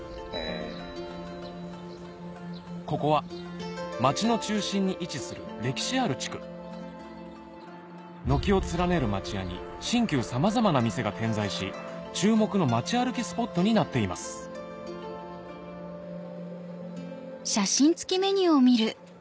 ここは町の中心に位置する歴史ある地区軒を連ねる町家に新旧さまざまな店が点在し注目の町歩きスポットになっていますえ